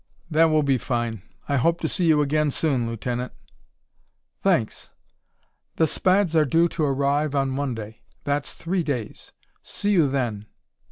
"That will be fine. I hope to see you again soon, Lieutenant." "Thanks. The Spads are due to arrive on Monday. That's three days. See you then.